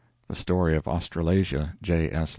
[The Story of Australasia. J. S.